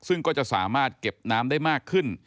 ซึ่งก็จะสามารถเก็บน้ำได้มากขึ้น